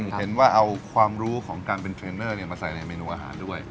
เห็นว่าเอาความรู้ของการเป็นเทรนเนอร์มาใส่ในเมนูอาหารด้วย